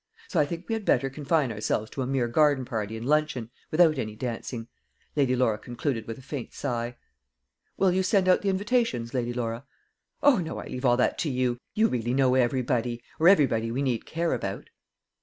So I think we had better confine ourselves to a mere garden party and luncheon, without any dancing," Lady Laura concluded with a faint sigh. "Will you send out the invitations, Lady Laura?" "O, no; I leave all that to you. You really know everybody or everybody we need care about."